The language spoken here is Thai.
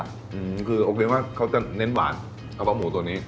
อเจมส์คือโอกินว่าเขาจะเน้นหวานเขาเอาหมูตัวนี้